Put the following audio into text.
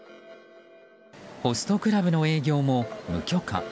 ホストクラブの営業も無許可。